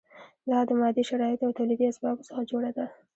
دا د مادي شرایطو او تولیدي اسبابو څخه جوړه ده.